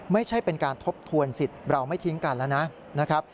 ไม่ใช่เป็นการทบทวนสิทธิ์เราไม่ทิ้งกันแล้วนะครับ